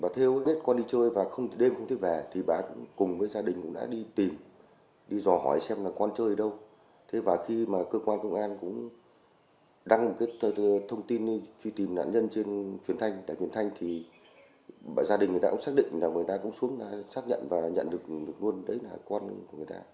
tại huyện thành gia đình người ta cũng xác định người ta cũng xuống xác nhận và nhận được luôn đấy là con của người ta